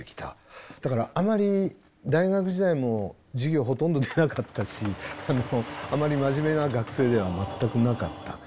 だからあまり大学時代も授業をほとんど出なかったしあまり真面目な学生では全くなかった。